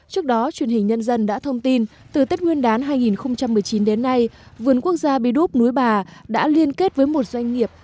trước đó truyền hình nhân dân đã thông tin từ tết nguyên đán hai nghìn một mươi chín đến nay vườn quốc gia bi đúc núi bà đã liên kết với một doanh nghiệp